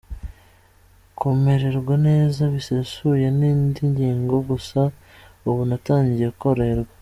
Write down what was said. Kumererwa neza bisesuye ni indi ngingo gusa ubu natangiye koroherwa.